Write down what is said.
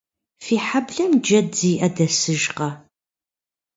Фи хьэблэм джэд зиӏэ дэсыжкъэ?